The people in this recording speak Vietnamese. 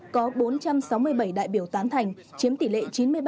có bốn trăm sáu mươi bảy đại biểu tán thành chiếm tỷ lệ chín mươi ba bảy mươi tám